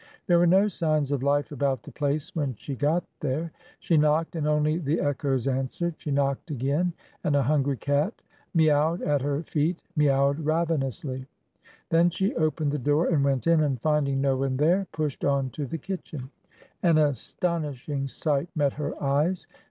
There were no signs of life about the place when she got there. She knocked, and only the echoes answered. She knocked again and a hungry cat miaued at her feet — miaued ravenously. Then she opened the door and went in, and finding no one there, pushed on to the kitchen. An astonishing sight met her eyes.